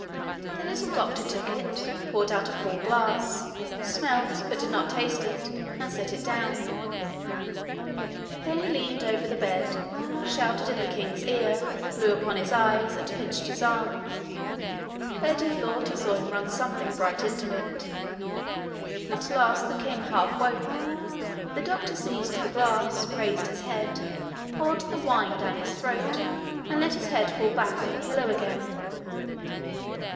The little doctor took it, poured out a full glass, smelt, but did not taste it, and set it down. Then he leaned over the bed, shouted in the king's ear, blew upon his eyes, and pinched his arm: Curdie thought he saw him run something bright into it. At last the king half woke. The doctor seized the glass, raised his head, poured the wine down his throat, and let his head fall back on the pillow again.